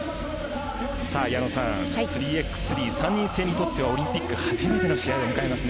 矢野さん、３ｘ３３人制にとってはオリンピック初めての試合を迎えますね。